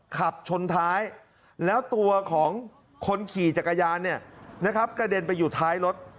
ขับชนท้ายแล้วตัวของคนขี่จักรยานเนี่ยนะครับกระเด็นไปอยู่ท้ายรถ